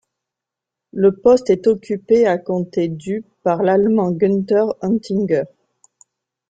Le poste est occupé à compter du par l’Allemand Günther Oettinger.